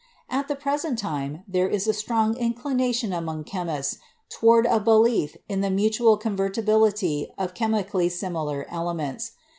At the present time, there is a strong inclination among chemists toward a belief in the mutual convertibility of chemically similar elements.